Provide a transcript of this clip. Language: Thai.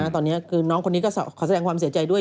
ตอนนี้คือน้องคนนี้ก็ขอแสดงความเสียใจด้วย